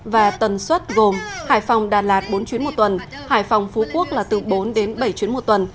và tần suất gồm hải phòng đà lạt bốn chuyến một tuần hải phòng phú quốc là từ bốn đến bảy chuyến một tuần